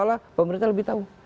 seolah olah pemerintah lebih tahu